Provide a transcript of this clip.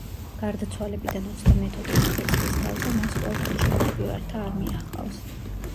გარდაცვალებიდან ოცდამეთოთხმეტე წლისთავზე მას კვლავ გულშემატკივართა არმია ჰყავს.